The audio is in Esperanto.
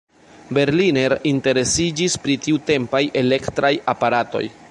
Berliner interesiĝis pri tiutempaj elektraj aparatoj.